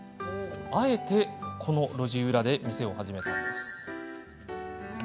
あえて、この路地裏で店を始めたんです。